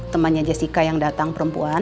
temannya jessica yang datang perempuan